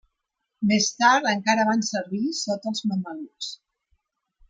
Més tard encara van servir sota els mamelucs.